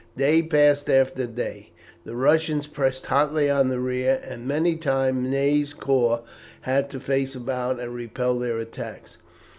Day passed after day. The Russians pressed hotly on the rear, and many times Ney's corps had to face about and repel their attacks.